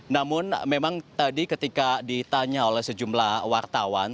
namun memang tadi ketika ditanya oleh sejumlah wartawan